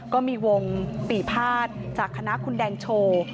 ก็มีวงปีภาษณ์จากคณะคุณแดงโชว์